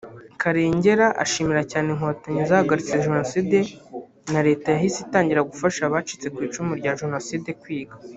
Karengera ashimira cyane Inkotanyi zahagaritse Jenoside na Leta yahise itangira gufasha abacitse ku icumu rya Jenoside kwiga